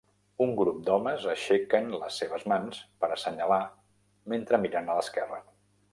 Un grup d"homes aixequen les seves mans per assenyalar mentre miren a l"esquerra.